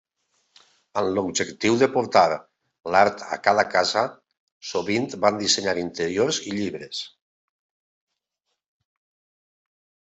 Amb l'objectiu de portar l'art a cada casa, sovint van dissenyar interiors i llibres.